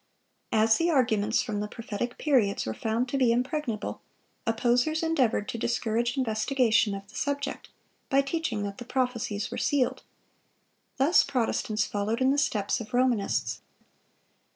As the arguments from the prophetic periods were found to be impregnable, opposers endeavored to discourage investigation of the subject, by teaching that the prophecies were sealed. Thus Protestants followed in the steps of Romanists.